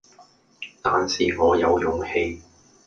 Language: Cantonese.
但是我有勇氣，